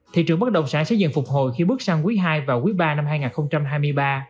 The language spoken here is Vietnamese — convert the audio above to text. thị trường bất động sản sẽ dần phục hồi khi bước sang quý ii và quý iii năm hai nghìn hai mươi ba